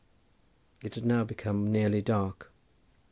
It had now become nearly dark.